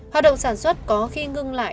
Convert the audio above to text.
học động sản xuất có khi ngưng lại